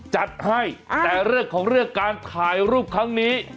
จัดให้แต่เรื่องของเรื่องการถ่ายรูปครั้งนี้